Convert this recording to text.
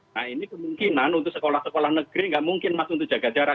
nah ini kemungkinan untuk sekolah sekolah negeri nggak mungkin masuk untuk jaga jarak